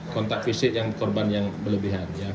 kontak fisik yang korban yang berlebihan